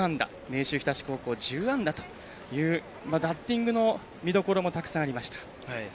明秀日立、１０安打というバッティングの見どころもたくさんありました。